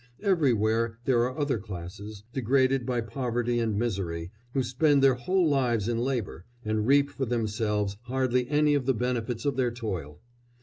Everywhere there are other classes, degraded by poverty and misery, who spend their whole lives in labour, and reap for themselves hardly any of the benefits of their toil.